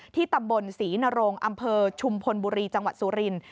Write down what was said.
ตำบลศรีนรงอำเภอชุมพลบุรีจังหวัดสุรินทร์